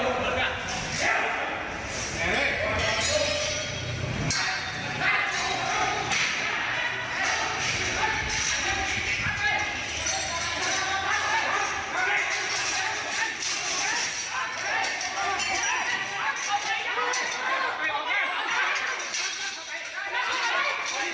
ไปออกไกร